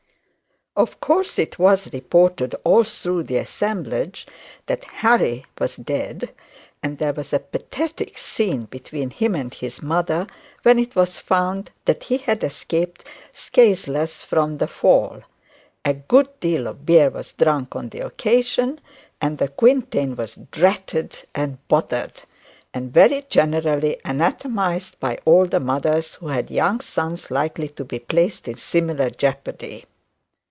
Of course it was reported all throughout the assemblage that Harry was dead, and there was a pathetic scene between him and his mother when it was found that he had escaped scatheless from the fall. A good deal of beer was drunk on the occasion, and the quintain was 'dratted' and 'bothered', and very generally anathematised by all the mothers who had young sons likely to be placed in similar jeopardy.